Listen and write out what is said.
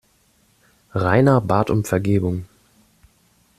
Rainer bat um Vergebung.